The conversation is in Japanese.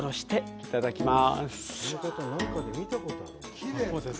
いただきます。